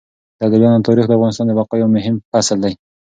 د ابدالیانو تاريخ د افغانستان د بقا يو مهم فصل دی.